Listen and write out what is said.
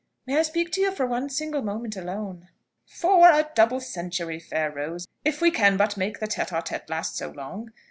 may I speak to you for one single minute alone?" "For a double century, fair Rose, if we can but make the tête à tête last so long.